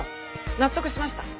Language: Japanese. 納得しました。